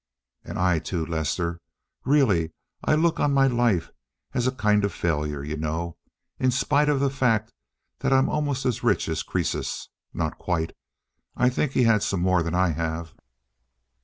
"And I, too, Lester. Really, I look on my life as a kind of failure, you know, in spite of the fact that I'm almost as rich as Croesus—not quite. I think he had some more than I have."